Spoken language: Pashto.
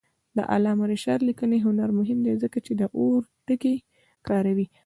د علامه رشاد لیکنی هنر مهم دی ځکه چې دارو ټکي کاروي.